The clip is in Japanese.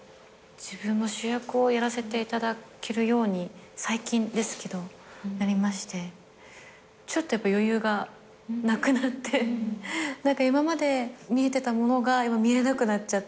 自分も主役をやらせていただけるように最近ですけどなりましてちょっと余裕がなくなって今まで見えてたものが見えなくなっちゃってきてて。